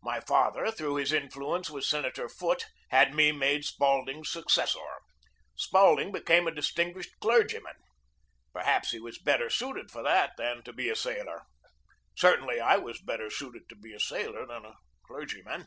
My fa ther, through his influence with Senator Foote, had me made Spaulding's successor. Spaulding became a distinguished clergyman. Perhaps he was better suited for that than to be a sailor. Certainly I was better suited to be a sailor than a clergyman.